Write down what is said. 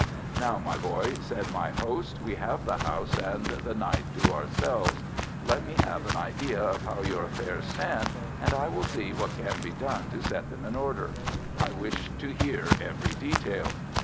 "Now, my boy," said my host, "we have the house and the night to ourselves. Let me have an idea of how your affairs stand, and I will see what can be done to set them in order. I wish to hear every detail."